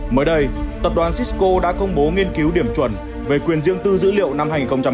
mới đây tập đoàn cisco đã công bố nghiên cứu điểm chuẩn về quyền riêng tư dữ liệu năm hai nghìn hai mươi hai